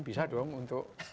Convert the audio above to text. bisa dong untuk